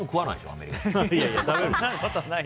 アメリカは。